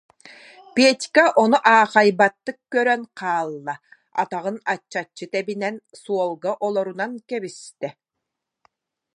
Петька ону аахайбаттык көрөн хаалла, атаҕын аччаччы тэбинэн, суолга олорунан кэбистэ.